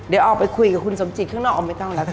เดี๋ยวออกไปคุยกับคุณสมจิตข้างนอกออกไม่ต้องแล้วกัน